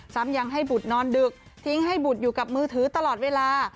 ซ้ำยังให้บุตรนอนดึกทิ้งให้บุตรอยู่กับมือถือตลอดเวลา